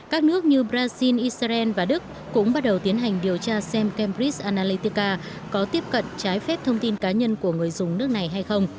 các nước như brazil israel và đức cũng bắt đầu tiến hành điều tra xem cambridg analytica có tiếp cận trái phép thông tin cá nhân của người dùng nước này hay không